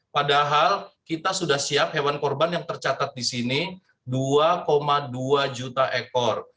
padahal kita sudah siap hewan korban yang tercatat di sini dua dua juta ekor